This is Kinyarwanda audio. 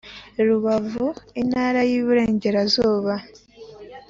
Rubavu Intara y Iburengerazuba